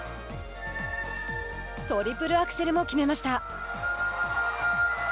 トリプルアクセルも決めました。